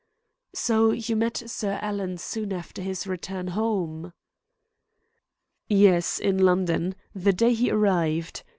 "So you met Sir Alan soon after his return home?" "Yes, in London, the day he arrived.